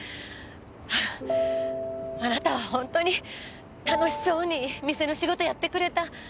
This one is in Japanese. あなたは本当に楽しそうに店の仕事やってくれた。